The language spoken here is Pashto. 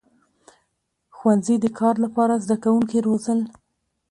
• ښوونځي د کار لپاره زدهکوونکي روزل.